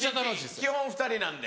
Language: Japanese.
基本２人なんで。